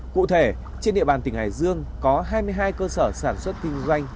cụ thể trên địa bàn tỉnh hải dương có hai mươi hai cơ sở sản xuất kinh doanh